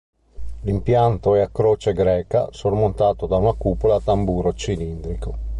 L'impianto è a croce greca, sormontato da una cupola a tamburo cilindrico.